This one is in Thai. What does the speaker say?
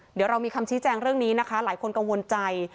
เดี๋ยวเรามีคำชี้แจงเรื่องนี้นะคะหลายคนกังวลใจ